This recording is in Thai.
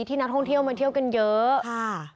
ที่นักท่องเที่ยวมาเที่ยวกันเยอะค่ะ